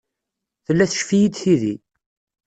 Tella teccef-iyi tidi.